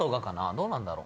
どうなんだろう？